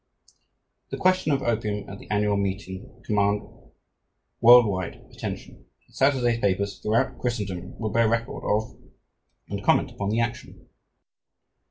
"The question of opium at the Annual Meeting commands world wide attention and Saturday's papers throughout Christendom will bear record of and comment upon the action.